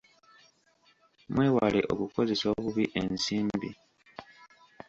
Mwewale okukozesa obubi ensimbi.